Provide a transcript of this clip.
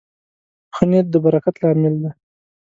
ښه نیت د برکت لامل دی.